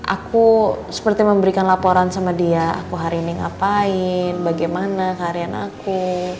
aku seperti memberikan laporan sama dia aku hari ini ngapain bagaimana keharian aku